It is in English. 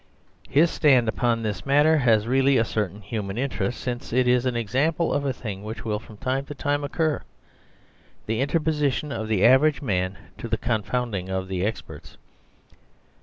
His stand upon this matter has really a certain human interest, since it is an example of a thing which will from time to time occur, the interposition of the average man to the confounding of the experts.